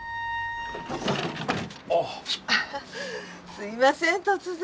すいません突然。